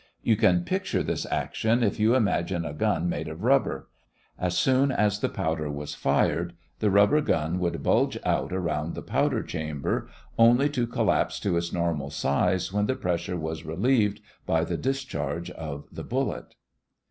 You can picture this action if you imagine a gun made of rubber; as soon as the powder was fired, the rubber gun would bulge out around the powder chamber, only to collapse to its normal size when the pressure was relieved by the discharge of the bullet.